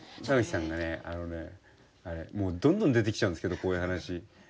玉置さんがねあのねどんどん出てきちゃうんですけどこういう話。